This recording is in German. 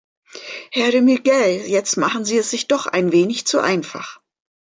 Herr de Miguel, jetzt machen Sie es sich doch ein wenig zu einfach.